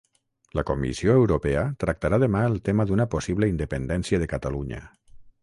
La Comissió Europea tractarà demà el tema d'una possible independència de Catalunya